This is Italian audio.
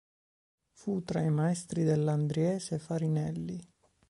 Fu tra i maestri dell'andriese Farinelli.